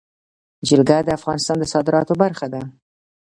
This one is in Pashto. جلګه د افغانستان د صادراتو برخه ده.